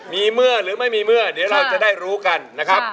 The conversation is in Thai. มีเมื่อหรือไม่มีเมื่อเดี๋ยวเราจะได้รู้กันนะครับ